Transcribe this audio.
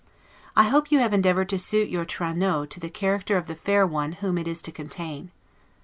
I hope you have endeavored to suit your 'Traineau' to the character of the fair one whom it is to contain.